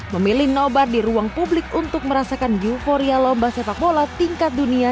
memilih nobar di ruang publik untuk merasakan euforia lomba sepak bola tingkat dunia